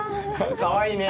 かわいいね。